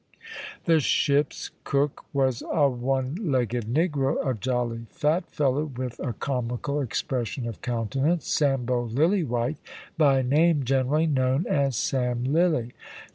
The ship's cook was a one legged negro, a jolly, fat fellow with a comical expression of countenance, Sambo Lillywhite by name, generally known as Sam Lilly.